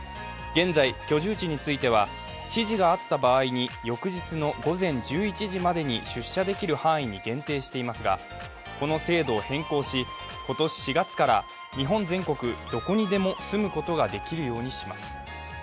現在、居住地については指示があった場合に翌日の午前１１時までに出社できる範囲に限定していますがこの制度を変更し今年４月から、日本全国どこにでも住むことができるようにします。